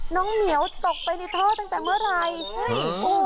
เหมียวตกไปในท่อตั้งแต่เมื่อไหร่